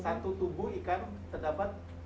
satu tubuh ikan terdapat